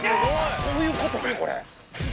そういうことかこれ。